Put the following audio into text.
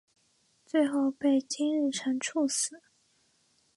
最后被金日成处死。